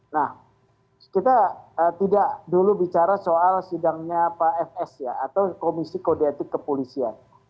nah kita tidak dulu bicara soal sidangnya pak fs ya atau komisi kode etik kepolisian